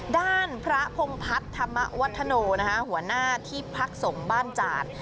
ด้านพระพงภัฐธรรมวัฒโนนะฮะหัวหน้าที่พักสมบ้านจาด